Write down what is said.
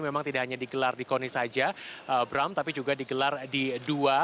memang tidak hanya digelar di gorkoni saja bram tapi juga digelar di jawa barat